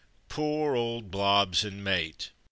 Poor old Blobbs and mate!